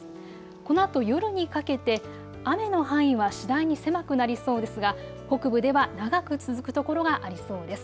このあと夜にかけて雨の範囲は次第に狭くなりそうですが北部では長く続く所がありそうです。